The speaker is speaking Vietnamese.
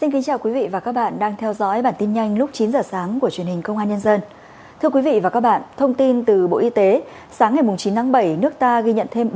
hãy đăng ký kênh để ủng hộ kênh của chúng mình nhé